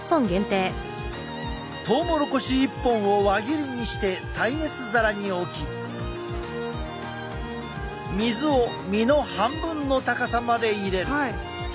トウモロコシ１本を輪切りにして耐熱皿に置き水を実の半分の高さまで入れる。